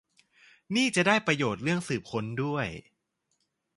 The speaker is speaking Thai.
นี่จะได้ประโยชน์เรื่องสืบค้นด้วย